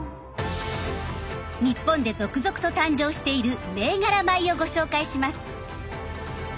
日本で続々と誕生している銘柄米をご紹介します。